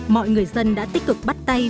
mọi người dân đã tích cực bắt tay